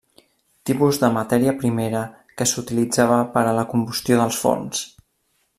Tipus de matèria primera que s'utilitzava per a la combustió dels forns.